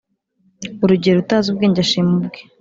Urugero: Utazi ubwenge ashima ubwe.